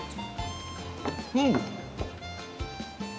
うん！